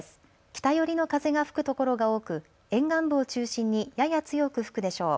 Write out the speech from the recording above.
北寄りの風が吹くところが多く沿岸部を中心にやや強く吹くでしょう。